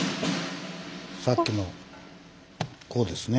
さっきのこうですね。